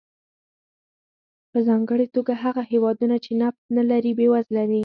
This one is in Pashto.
په ځانګړې توګه هغه هېوادونه چې نفت نه لري بېوزله دي.